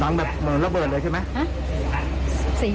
แบบเหมือนระเบิดเลยใช่ไหม